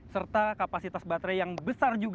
serta kapasitas baterai yang besar juga